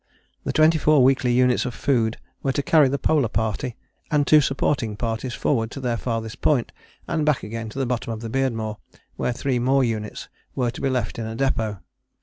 The twenty four weekly units of food were to carry the Polar Party and two supporting parties forward to their farthest point, and back again to the bottom of the Beardmore, where three more units were to be left in a depôt.